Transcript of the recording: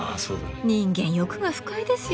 人間欲が深いですよね。